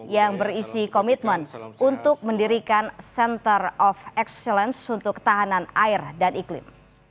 yang berisi komitmen untuk mendirikan center of excellence untuk ketahanan air dan iklim